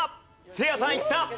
せいやさんいった。